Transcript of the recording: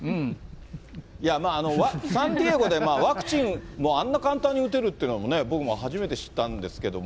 いやまあ、サンディエゴでワクチンもあんな簡単に打てるというのも、僕も初めて知ったんですけども。